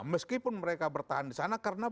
meskipun mereka bertahan di sana karena